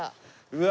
うわ。